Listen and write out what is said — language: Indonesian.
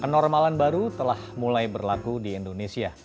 kenormalan baru telah mulai berlaku di indonesia